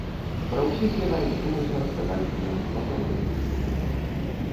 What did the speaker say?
Пра ўсіх яна імкнулася расказаць мне, пазнаёміць з імі.